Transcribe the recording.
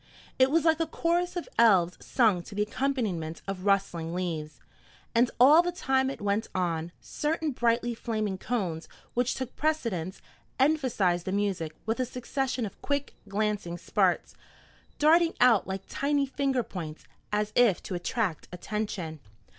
It was like a chorus of elves sung to the accompaniment of rustling leaves. And all the time it went on, certain brightly flaming cones, which took precedence, emphasized the music with a succession of quick, glancing sparks, darting out like tiny finger points, as if to attract attention.